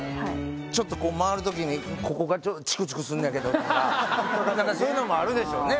ちょっとこう回る時にここがちょっととか何かそういうのもあるでしょうね